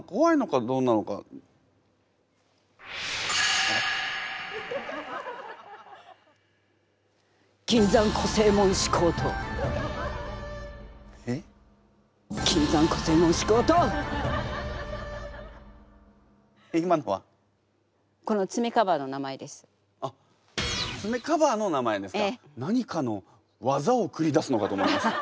何かのわざをくり出すのかと思いました。